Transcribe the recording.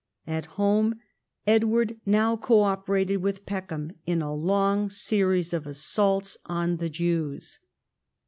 At home Edward now co operated with Peckham in a long series of assaults on the Jews.